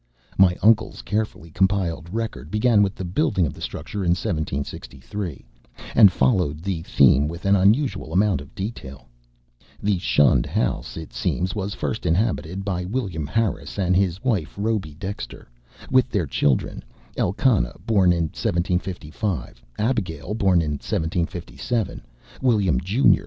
My uncle's carefully compiled record began with the building of the structure in 1763, and followed the theme with an unusual amount of detail. The shunned house, it seems, was first inhabited by William Harris and his wife Rhoby Dexter, with their children, Elkanah, born in 1755, Abigail, born in 1757, William, Jr.